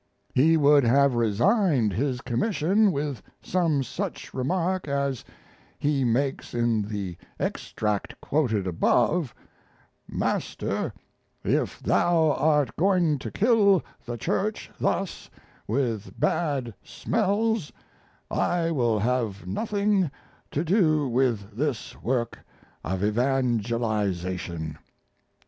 He would have resigned his commission with some such remark as he makes in the extract quoted above: "Master, if thou art going to kill the church thus with bad smells I will have nothing to do with this work of evangelization."